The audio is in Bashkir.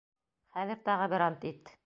Хәҙер тағы бер ант ит!